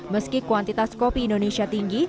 meski kuantitas kopi indonesia tinggi